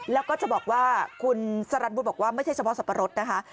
แล้วก็จะบอกว่าคุณสรรวุฒิบอกว่าไม่ใช่เฉพาะสับปะรดนะคะ